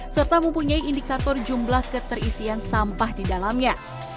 serta mempunyai indikator jumlah keterisian sampah di dalamnya